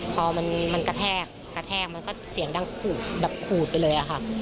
พอมันกระแทกกระแทกมันก็เสียงดังขูดแบบขูดไปเลยอะค่ะ